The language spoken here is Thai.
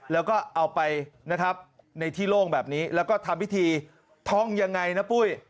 แล้วก็เอาไปนะครับในที่โล่งแบบนี้แล้วก็ทำพิธีท่องยังไงนะปุ้ย